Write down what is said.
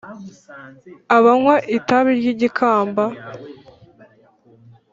abanywa itabi ry'igikamba